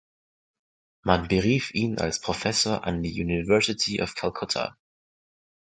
Man berief ihn als Professor an die University of Calcutta.